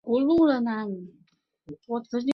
此专辑亦是他首张个人国语大碟。